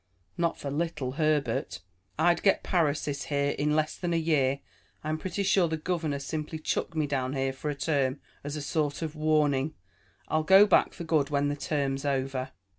Not for little Herbert. I'd get paresis here in less than a year. I'm pretty sure the governor simply chucked me down here for a term, as sort of a warning. I'll go back for good when the term's over."